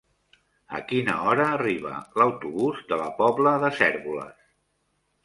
A quina hora arriba l'autobús de la Pobla de Cérvoles?